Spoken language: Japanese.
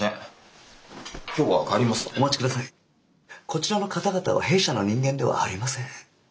こちらの方々は弊社の人間ではありません。